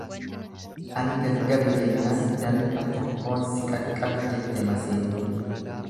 Ani gaggabe jennaan danfa tokkoon si qaqqabe, jette maseenni.